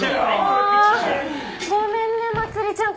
ああごめんねまつりちゃん